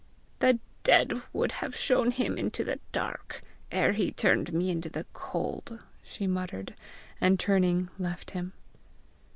"The dead would have shown him into the dark, ere he turned me into the cold!" she muttered, and turning, left him.